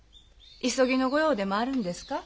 急ぎのご用でもあるんですか？